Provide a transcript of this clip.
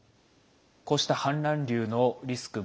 こうした氾濫流のリスク